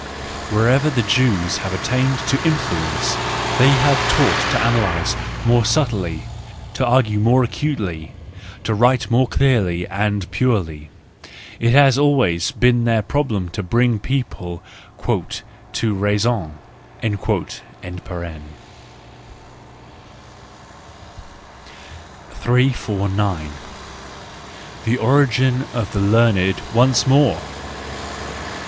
Wherever the Jews have attained to influence, they have taught to analyse more subtly, to argue more acutely, to write more clearly and purely : it has always been their problem to bring a people "to raison"') 349 The Origin of the Learned once more